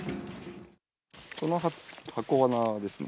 この箱わなですね。